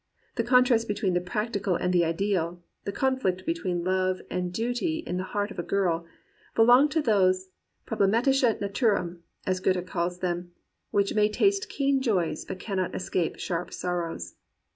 The contrast between the practical and the ideal, the conflict between love and duty in the heart of a girl, belong to those problemaluche Naturen, as Goethe called them, which may taste keen joys but cannot escape sharp sorrows.